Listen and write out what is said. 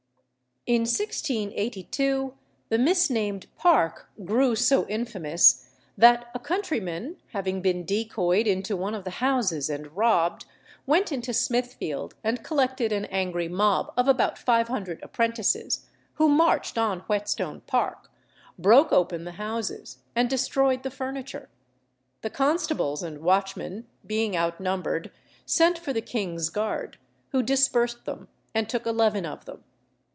In 1682 the misnamed "Park" grew so infamous, that a countryman, having been decoyed into one of the houses and robbed, went into Smithfield and collected an angry mob of about 500 apprentices, who marched on Whetstone Park, broke open the houses, and destroyed the furniture. The constables and watchmen, being outnumbered, sent for the king's guard, who dispersed them and took eleven of them.